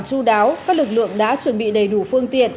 các lực lượng đã chuẩn bị đầy đủ phương tiện